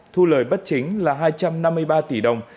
thu lời bất chính là hai trăm năm mươi ba tỷ đồng